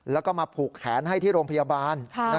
แล้วก็มาผูกแขนให้ที่โรงพยาบาล